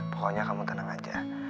pokoknya kamu tenang aja